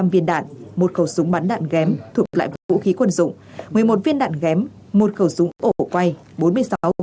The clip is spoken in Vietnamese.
hai mươi năm viên đạn một khẩu súng bắn đạn ghém thuộc loại vũ khí quân dụng một mươi một viên đạn ghém một khẩu súng ổ quay